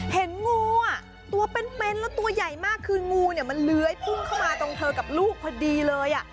เห็นงูอ่ะตัวเป็นแล้วตัวใหญ่มากคืองูเนี่ยมันเลื้อยพุ่งเข้ามาตรงเธอกับลูกพอดีเลย